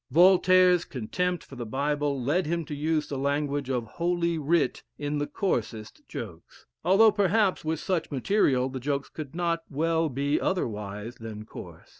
[Ibid, vol. ii., p. 350.] Voltaire's contempt for the Bible led him to use the language of "holy writ" in the coarsest jokes; though, perhaps, with such material, the jokes could not well be otherwise than coarse.